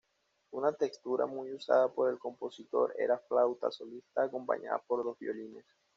Una textura muy usada por el compositor era flauta solista acompañada por dos violines.